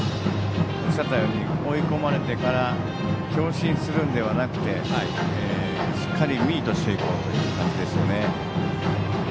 追い込まれてから強振するのではなくてしっかりミートしていこうという感じですよね。